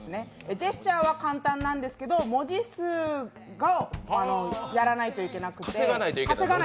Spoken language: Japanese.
ジェスチャーは簡単なんですけど文字数を稼がないといけない。